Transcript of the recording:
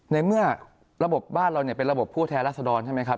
ในเมื่อระบบบ้านเราเนี่ยเป็นระบบผู้แทนรัศดรใช่ไหมครับ